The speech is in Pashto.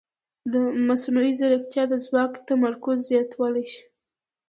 مصنوعي ځیرکتیا د ځواک تمرکز زیاتولی شي.